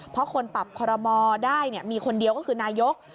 เพราะคนปรับคอรมอลได้มีคนเดียวก็คือนายก